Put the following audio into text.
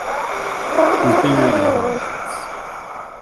He is buried in Nantes.